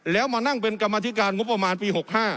แล้วมานั่งเป็นกรรมธิการงบประมาณปี๖๕